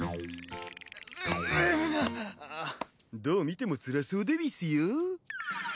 どう見てもつらそうでうぃすよ。